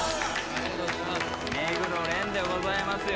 目黒蓮でございますよ。